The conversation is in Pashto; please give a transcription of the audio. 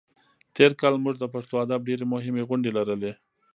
تېر کال موږ د پښتو ادب ډېرې مهمې غونډې لرلې.